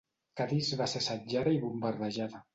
Cadis va ser assetjada i bombardejada.